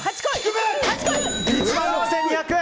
１万６２００円！